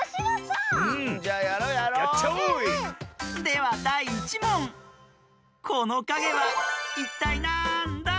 ではだい１もんこのかげはいったいなんだ？